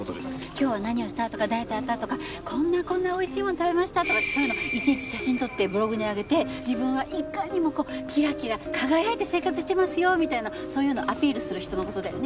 今日は何をしたとか誰と会ったとかこんなこんな美味しいものを食べましたとかってそういうのいちいち写真撮ってブログに上げて自分はいかにもこうキラキラ輝いて生活してますよみたいなそういうのをアピールする人の事だよね？